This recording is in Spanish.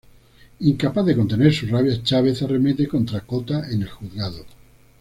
Incapaz de contener su rabia, Chávez arremete contra Cota en el juzgado.